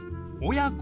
親子？